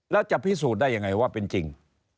แล้วจะพิสูจน์ได้ยังไงว่าเป็นจริง